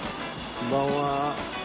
こんばんは。